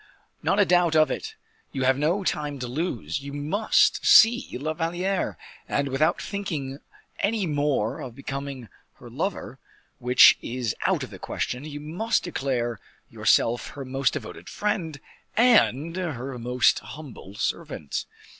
"Not a doubt of it; you have no time to lose. You must see La Valliere, and, without thinking any more of becoming her lover, which is out of the question, must declare yourself her most devoted friend and her most humble servant."